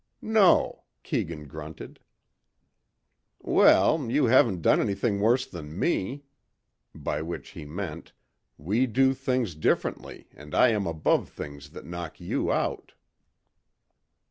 "No," Keegan grunted. "Well, you haven't done anything worse than me," by which he meant "We do things differently and I am above things that knock you out."